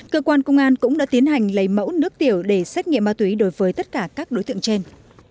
cơ quan công an cũng đã tiến hành lấy mẫu nước tiểu để xét nghiệm ma túy đối với tất cả các đối tượng trên